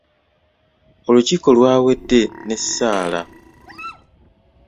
Olukiiko lwawedde n'essaala.